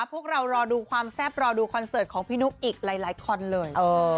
พวกเรารอดูความแซ่บรอดูคอนเสิร์ตของพี่นุ๊กอีกหลายคนเลย